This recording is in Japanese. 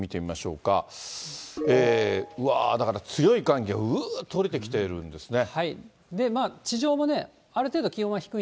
うわー、だから強い寒気がうーっと降りてきているんですね。